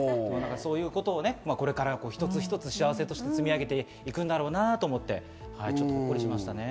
そういうことをこれから、一つ一つ幸せとして積み上げていくんだろうなぁと思って、ほっこりしましたね。